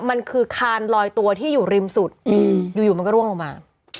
มันคือคานลอยตัวที่อยู่ริมสุดอยู่มันก็ร่วงลงมา